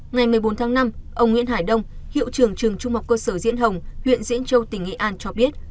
ngày một mươi bốn tháng năm ông nguyễn hải đông hiệu trưởng trường trung học cơ sở diễn hồng huyện diễn châu tỉnh nghệ an cho biết